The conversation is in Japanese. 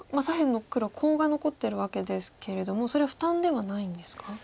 左辺の黒コウが残ってるわけですけれどもそれは負担ではないんですか？